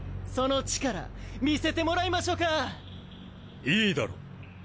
その力見せてもらいましょかいいだろう